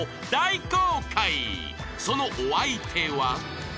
［そのお相手は］